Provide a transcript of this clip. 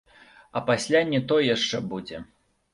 А пасля не тое яшчэ будзе.